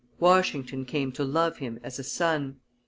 Washington came to love him as a son.